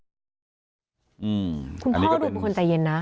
คุณพ่อดูเป็นคนใจเย็นนะ